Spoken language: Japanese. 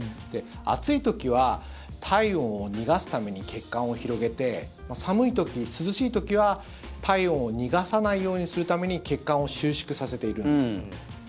暑い時は体温を逃がすために血管を広げて寒い時、涼しい時は、体温を逃がさないようにするために血管を収縮させているんです。